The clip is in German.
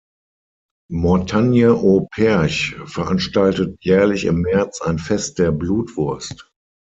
Mortagne-au-Perche veranstaltet jährlich im März ein Fest der Blutwurst.